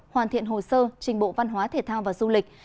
hoàn thiện hồ sơ trình bộ văn hóa thể thao và du lịch